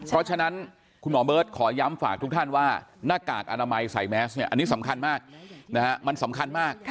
เพราะฉะนั้นคุณหมอเบิร์ตขอย้ำฝากทุกท่านว่าหน้ากากอนามัยใส่แมสเนี่ยอันนี้สำคัญมากมันสำคัญมาก